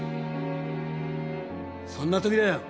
そんな時だよ